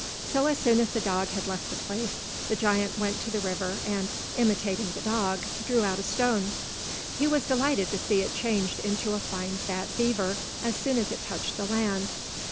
So as soon as the dog had left the place, the giant went to the river, and, imitating the dog, drew out a stone. He was delighted to see it change into a fine fat beaver as soon as it touched the land.